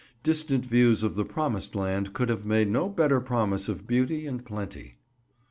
Distant views of the Promised Land could have made no better promise of beauty and plenty.